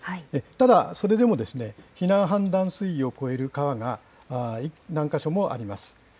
ただ、それでも避難判断水位を超える川が何か所もあります。